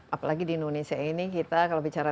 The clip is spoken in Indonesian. apalagi di indonesia ini kita kalau bicara